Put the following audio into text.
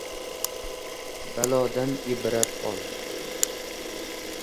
— Balodan ibrat ol.